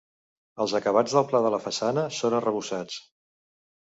Els acabats del pla de la façana són arrebossats.